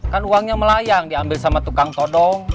kan uangnya melayang diambil sama tukang todong